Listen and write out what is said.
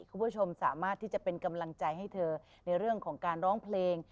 คุณผู้ชมสามารถที่จะเป็นกำลังใจให้เธอในเรื่องของการร้องเพลง